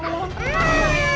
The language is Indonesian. ya allah kenapa sih